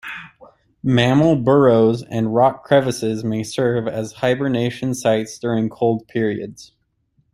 Mammal burrows and rock crevices may serve as hibernation sites during cold periods.